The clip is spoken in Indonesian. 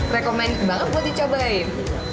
rekomen banget buat dicobain